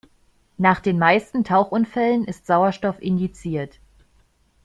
Nach den meisten Tauchunfällen ist Sauerstoff indiziert.